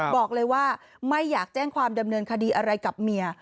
บอกเลยว่าไม่อยากแจ้งความดำเนินคดีอะไรกับเมีย